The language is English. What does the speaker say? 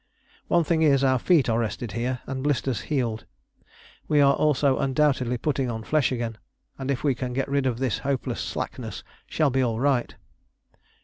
One thing is, our feet are rested here, and blisters healed. We are also undoubtedly putting on flesh again, and if we can get rid of this hopeless slackness shall be all right....